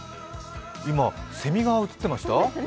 今、せみが映ってました？